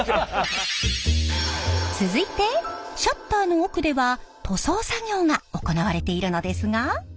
続いてシャッターの奥では塗装作業が行われているのですが。